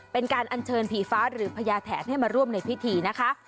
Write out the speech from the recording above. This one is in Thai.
เป็นการอัญเชิญผีฟ้าหรือพญาแถนให้มาร่วมในพิธีนะคะ